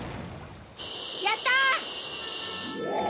やった！